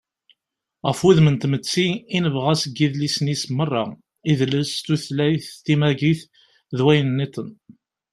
ɣef wudem n tmetti i nebɣa seg yidisan-is meṛṛa: idles, tutlayt, timagit, d wayen-nniḍen